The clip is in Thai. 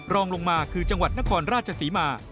รองลงมาคือจังหวัดนครราชศรีมา